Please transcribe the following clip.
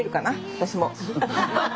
私も。